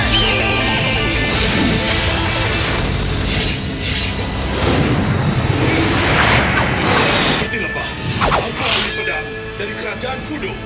ketika kau terlepas kau akan dipendam dari kerajaan kudu